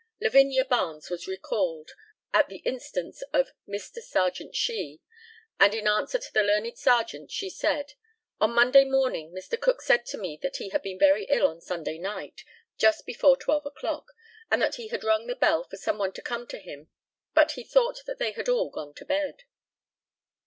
LAVINIA BARNES was recalled, at the instance of Mr. Serjeant SHEE, and in answer to the learned Serjeant, she said: On Monday morning Mr. Cook said to me that he had been very ill on Sunday night, just before twelve o'clock, and that he had rung the bell for some one to come to him; but he thought that they had all gone to bed.